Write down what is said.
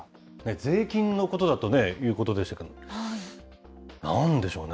税金のことだということでしたけど、なんでしょうね。